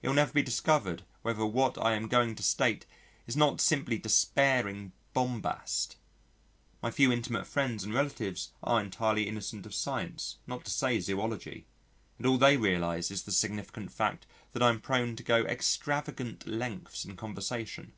It will never be discovered whether what I am going to state is not simply despairing bombast. My few intimate friends and relatives are entirely innocent of science, not to say zoology, and all they realise is the significant fact that I am prone to go extravagant lengths in conversation.